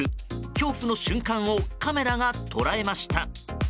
恐怖の瞬間をカメラが捉えました。